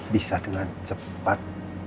bisa dengan cepat